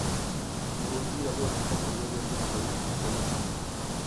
Murungi yabonye ko Mariya yari yambaye impeta y'ubukwe.